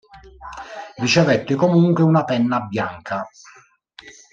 Ricevette comunque una penna bianca.